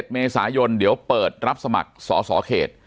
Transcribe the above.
เมษายนเดี๋ยวเปิดรับสมัครสอสอเขต